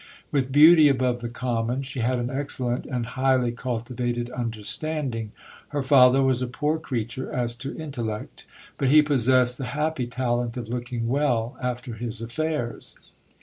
With beauty above the common, she had an excellent and highly cultivated understanding. Her father was a poor creature as to in tellect ; but he possessed the happy talent of looking well after his affairs.